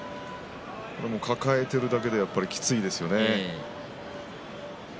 これを抱えているだけできついですよね。